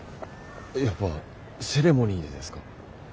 やっぱセレモニーでですか？